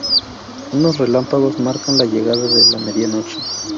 Unos relámpagos marcan la llegada de la medianoche.